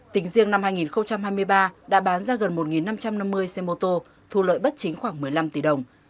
tính riêng năm hai nghìn hai mươi ba đã bán ra gần một năm trăm năm mươi xe mô tô thu lợi bất chính khoảng một mươi năm tỷ đồng